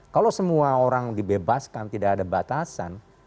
kalau semua orang dibebaskan tidak ada batasan